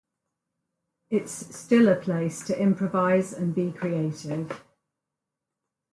It's still a place to improvise and be creative.